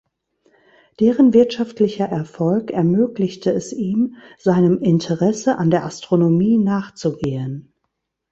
Deren wirtschaftlicher Erfolg ermöglichte es ihm, seinem Interesse an der Astronomie nachzugehen.